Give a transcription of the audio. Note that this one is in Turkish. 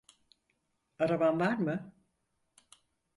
Araban var mı?